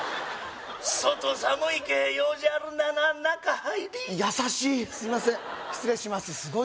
外寒いけ用事あるなら中入り優しいすいません失礼します